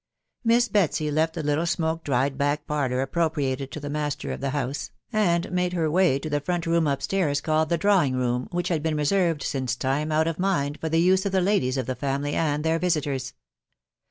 Miss Betsy left the little smoke dried back parlour appro priated to the master of the house, and made her way to the front room1 up stairs called the drawing room, which had been reserved, since time out of mindj for the use of the ladies of the family* and* their visiters.